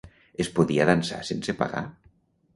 Es podia dansar sense pagar?